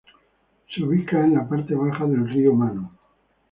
Se ubica en la parte baja del río Manu.